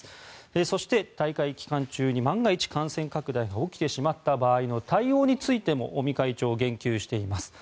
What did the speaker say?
そして、大会期間中に万が一感染拡大が起きてしまった場合の対応についても尾身会長、言及しています。